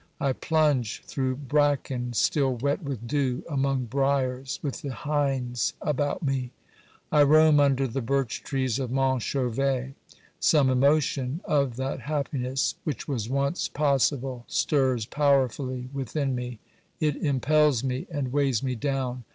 I plunge through bracken still wet with dew, among briars with the hinds about me; I roam under the birch trees of Mont Chauvet. Some emotion of that happiness which was once possible stirs powerfully within me ; it impels me and weighs me down.